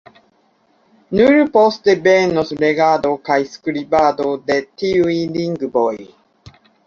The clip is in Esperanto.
Nur poste venos legado kaj skribado de tiuj lingvoj.